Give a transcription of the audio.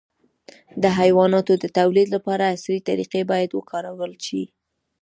د حیواناتو د تولید لپاره عصري طریقې باید وکارول شي.